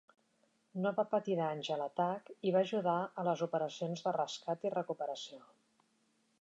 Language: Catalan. No va patir danys a l"atac i va ajudar a les operacions de rescat i recuperació.